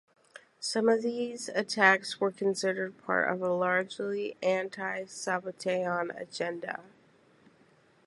Some of these attacks were considered part of a largely Anti-Sabbatean agenda.